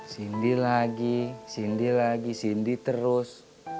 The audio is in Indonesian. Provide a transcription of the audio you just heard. cindy lagi cindy lagi cindy terus